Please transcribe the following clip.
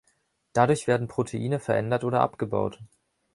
Dadurch werden Proteine verändert oder abgebaut.